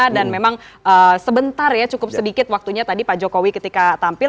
dan memang sebentar ya cukup sedikit waktunya tadi pak jokowi ketika tampil